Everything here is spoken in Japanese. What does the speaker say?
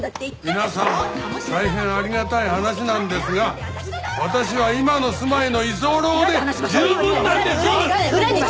皆さん大変ありがたい話なんですが私は今の住まいの居候で十分なんです！